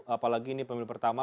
apalagi ini pemilu pertama